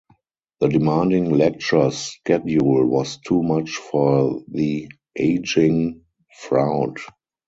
The demanding lecture schedule was too much for the ageing Froude.